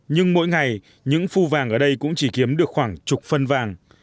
nhưng mỗi ngày những phu vàng ở đây cũng chỉ kiếm được khoảng chục phân vàng